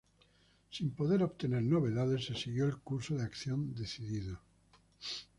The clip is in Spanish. Sin poder obtener novedades, se siguió el curso de acción decidido.